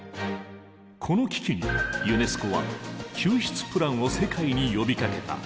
この危機にユネスコは救出プランを世界に呼びかけた。